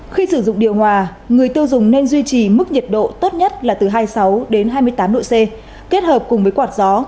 khi sử dụng điều hòa người tiêu dùng nên duy trì mức nhiệt độ tốt nhất là từ hai mươi sáu đến hai mươi tám độ c kết hợp cùng với quạt gió